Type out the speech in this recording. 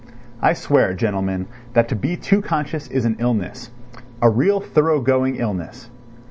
I swear, gentlemen, that to be too conscious is an illness—a real thorough going illness.